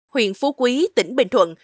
huyện phú quý tỉnh bình thuận